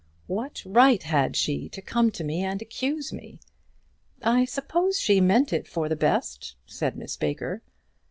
"What right had she to come to me and accuse me?" "I suppose she meant it for the best," said Miss Baker.